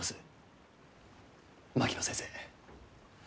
槙野先生